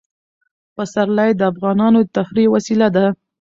پسرلی د افغانانو د تفریح یوه وسیله ده.